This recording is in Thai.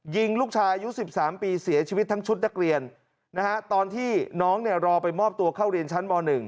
ยิงลูกชายอายุ๑๓ปีเสียชีวิตทั้งชุดนักเรียนตอนที่น้องเนี่ยรอไปมอบตัวเข้าเรียนชั้นม๑